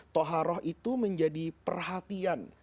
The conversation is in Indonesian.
toharoh itu menjadi perhatian